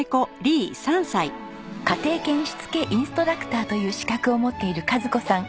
家庭犬しつけインストラクターという資格を持っている賀津子さん。